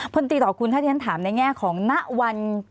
พลตีต่อคุณถ้าที่ท่านถามในแง่ของหน้าวัน